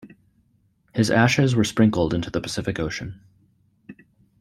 His ashes were sprinkled into the Pacific Ocean.